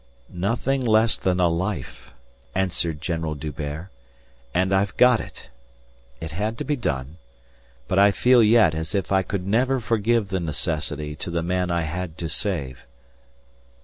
"Nothing less than a life," answered General D'Hubert. "And I've got it. It had to be done. But I feel yet as if I could never forgive the necessity to the man I had to save."